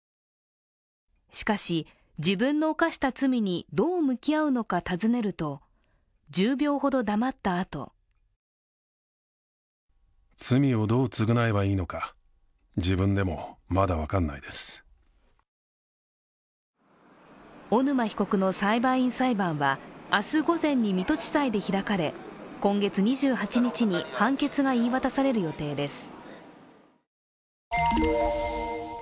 しかし、自分の犯した罪にどう向き合うのか尋ねると１０秒ほど黙ったあと小沼被告の裁判員裁判は、明日午前に水戸地裁で開かれ、今月２８日に判決が言い渡される予定です。